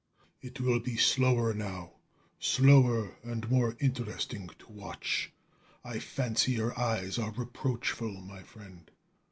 "It will be slower, now. Slower and more interesting to watch!... I fancy your eyes are reproachful, my friend.